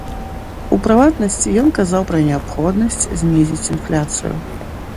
У прыватнасці, ён казаў пра неабходнасць знізіць інфляцыю.